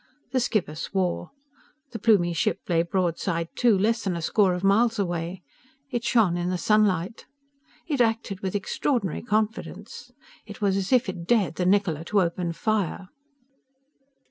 The skipper swore. The Plumie ship lay broadside to, less than a score of miles away. It shone in the sunlight. It acted with extraordinary confidence. It was as if it dared the Niccola to open fire.